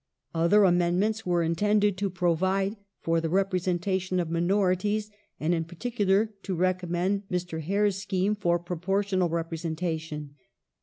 Other amendments were intended to provide for the representation of minorities, and in particular to recommend Mr. Hare's scheme for proportional repre sentation.